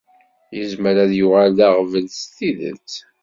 Yezmer ad yuɣal d aɣbel s tidet.